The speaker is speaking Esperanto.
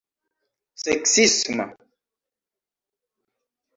seksisma